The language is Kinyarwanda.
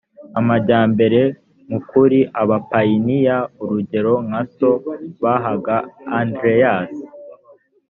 amajyambere mu kuri abapayiniya, urugero nka so bahaga andreas